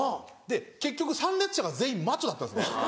結局参列者が全員マッチョだったんですね。